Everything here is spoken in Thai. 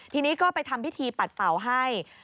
ทีนี้ก็ไปทำพิธีปัดเป่าให้